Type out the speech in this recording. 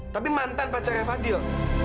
tapi mantan pacarnya fadil